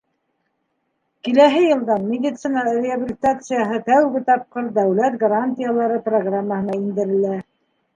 Киләһе йылдан медицина реабилитацияһы тәүге тапҡыр Дәүләт гарантиялары программаһына индерелә.